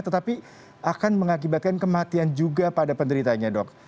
tetapi akan mengakibatkan kematian juga pada penderitanya dok